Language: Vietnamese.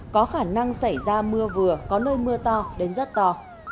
có khả năng xảy ra mưa vừa có nơi mưa to đến rất to